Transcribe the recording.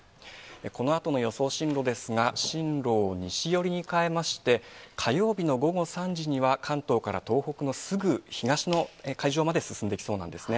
このあとの予想進路ですが、進路を西寄りに変えまして、火曜日の午後３時には、関東から東北のすぐ東の海上まで進んできそうなんですね。